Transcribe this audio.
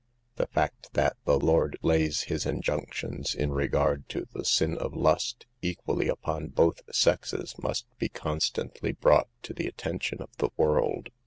The fact that the Lord lays His injunctions in regard to the sin of lust, equally upon both sexes, must be constantly brought to the attention of the world.